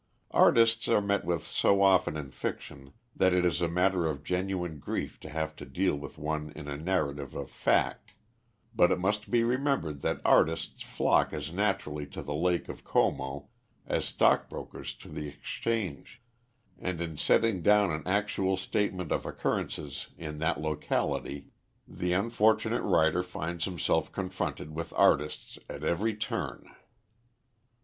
Artists are met with so often in fiction that it is a matter of genuine grief to have to deal with one in a narrative of fact, but it must be remembered that artists flock as naturally to the lake of Como as stock brokers to the Exchange, and in setting down an actual statement of occurrences in that locality the unfortunate writer finds himself confronted with artists at every turn.